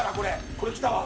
これきたわ。